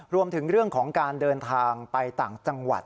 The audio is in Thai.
รวมถึงเรื่องของการเดินทางไปต่างจังหวัด